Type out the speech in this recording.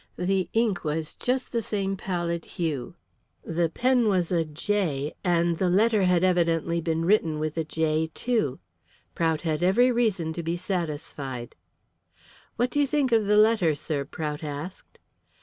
The ink was just the same pallid hue. The pen was a "J," and the letter had evidently been written with a "J" too. Prout had every reason to be satisfied. "What do you think of the letter, sir?" Prout asked.